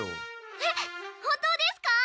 えっ本当ですか？